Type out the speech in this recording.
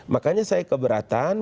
makanya saya keberatan